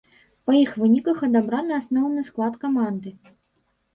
Па іх выніках адабраны асноўны склад каманды.